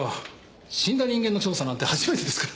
死んだ人間の調査なんて初めてですから。